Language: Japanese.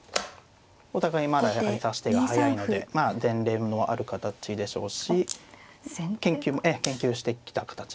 お互いまだやはり指し手が速いのでまあ前例のある形でしょうし研究してきた形だと思います。